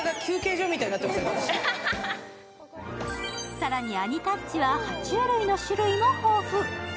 更にアニタッチは、は虫類の種類も豊富。